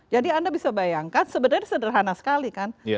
jadi anda bisa bayangkan sebenarnya sederhana sekali